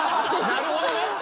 なるほどね。